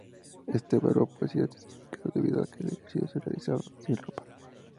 Este verbo poseía ese significado debido a que el ejercicio se realizaba sin ropa.